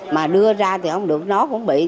mà đưa ra thì không được nó cũng bị